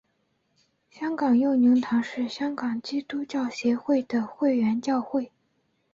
香港佑宁堂是香港基督教协进会的会员教会。